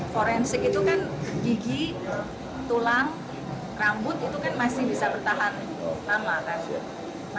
forensik itu kan gigi tulang rambut itu kan masih bisa bertahan lama kan